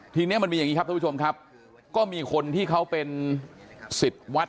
ทีนี้มันมีอย่างนี้ครับท่านผู้ชมครับก็มีคนที่เขาเป็นสิทธิ์วัด